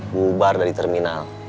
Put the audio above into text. mubar dari terminal